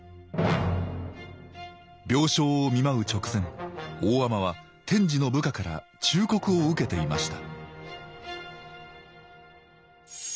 病床を見舞う直前大海人は天智の部下から忠告を受けていました